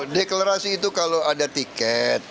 deklarasi itu kalau ada tiket